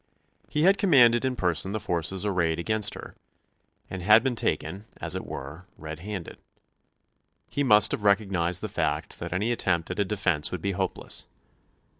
He had commanded in person the forces arrayed against her, and had been taken, as it were, red handed. He must have recognised the fact that any attempt at a defence would be hopeless.